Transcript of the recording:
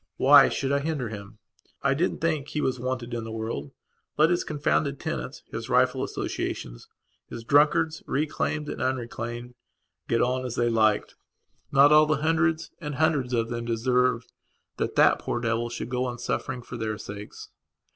Why should I hinder him? I didn't think he was wanted in the world, let his confounded tenants, his rifle associations, his drunkards, reclaimed and unreclaimed, get on as they liked. Not all the hundreds and hundreds of them deserved that that poor devil should go on suffering for their sakes.